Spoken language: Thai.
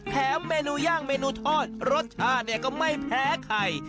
เมนูย่างเมนูทอดรสชาติเนี่ยก็ไม่แพ้ไข่